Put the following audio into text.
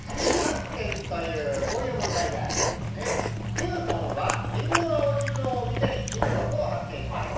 ニュートンはリンゴが落ちるのを見て引力を発見しました。